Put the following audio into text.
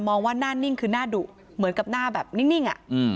มองว่าน่านิ่งคือน่าดุเหมือนกับหน้าแบบนิ่งอ่ะ